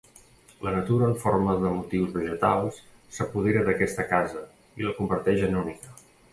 La natura en forma de motius vegetals s'apodera d'aquesta casa i la converteix en única.